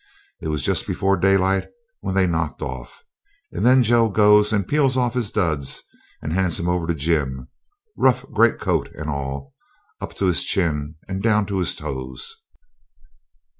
It was just before daylight when they knocked off, and then Joe goes and peels off his duds and hands 'em over to Jim, rough great coat and all up to his chin and down to his toes.